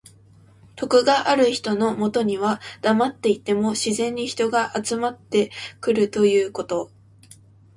徳がある人のもとにはだまっていても自然に人が集まってくるということ。